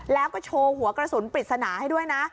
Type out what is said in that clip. แล้วก็โชว์หัวกระสุนปริศนาให้ด้วยนะ